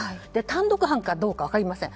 単独犯かどうか分かりません。